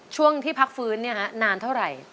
ช่วงที่พักฟื้นนานเท่าไหร่